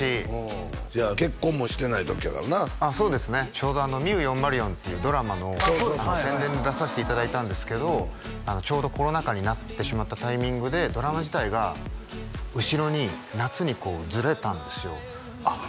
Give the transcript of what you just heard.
ちょうど「ＭＩＵ４０４」っていうドラマの宣伝に出させていただいたんですけどちょうどコロナ禍になってしまったタイミングでドラマ自体が後ろに夏にこうずれたんですよああ